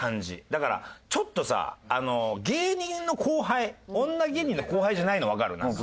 だからちょっとさ芸人の後輩女芸人の後輩じゃないのわかる？